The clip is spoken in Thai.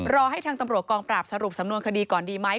รอให้ทางตำรวจกองปราบสรุปสำนวนคดีก่อนดีไหม